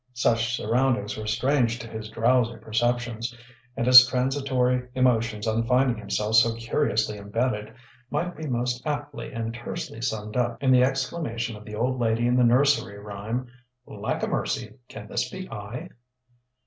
Such surroundings were strange to his drowsy perceptions, and his transitory emotions on finding himself so curiously embedded might be most aptly and tersely summed up in the exclamation of the old lady in the nursery rhyme: "Lack a mercy, can this be I?"